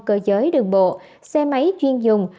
cơ giới đường bộ xe máy chuyên dùng